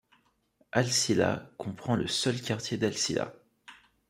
Halssila comprend le seul quartier d'Halssila.